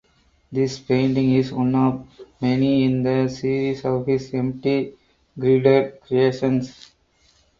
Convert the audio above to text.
This painting is one of many in the series of his empty gridded creations.